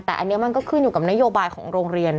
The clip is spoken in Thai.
แต่อันนี้มันก็ขึ้นอยู่กับนโยบายของโรงเรียน